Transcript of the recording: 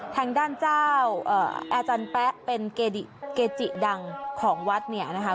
ทางด้านเจ้าอาจารย์แป๊ะเป็นเกจิดังของวัดเนี่ยนะคะ